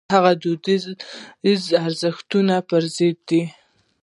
هغه د دودیزو ارزښتونو پر ضد و.